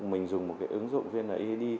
mình dùng một cái ứng dụng vnid